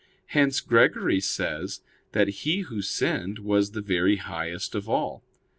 Hence Gregory says that he who sinned was the very highest of all.